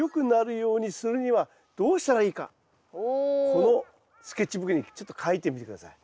このスケッチブックにちょっと描いてみて下さい。